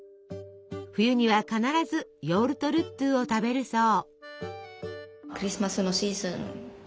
冬には必ずヨウルトルットゥを食べるそう。